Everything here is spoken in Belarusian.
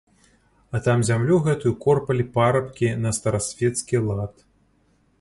А там зямлю гэтую корпалі парабкі на старасвецкі лад.